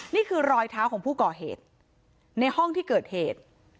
นี่คือรอยเท้าของผู้ก่อเหตุในห้องที่เกิดเหตุ